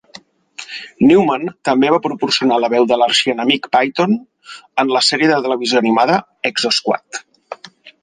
Newman també va proporcionar la veu de l'arxienemic Phaeton en la sèrie de televisió animada "Exosquad".